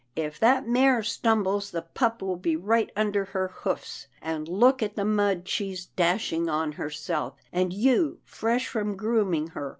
"If that mare stumbles, the pup will be right under her hoofs — and look at the mud she's dashing on herself, and you fresh from grooming her.